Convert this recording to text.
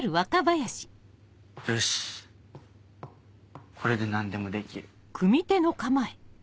よしこれで何でもできる。